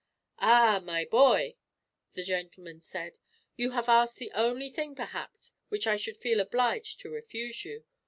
"Ah! my boy," the gentleman said, "you have asked the only thing, perhaps, which I should feel obliged to refuse you.